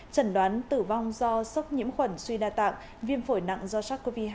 trần đoán tử vong do sốc nhiễm khuẩn suy đa tạng viêm phổi nặng do sars cov hai